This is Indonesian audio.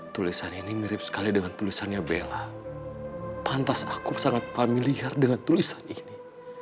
tulisan ini mirip sekali dengan tulisannya bella pantas aku sangat familiar dengan tulisan ini